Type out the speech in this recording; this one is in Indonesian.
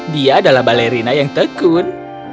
dia adalah balerina yang tekun